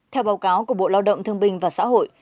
theo báo cáo của bộ lao động thương bình và xã hội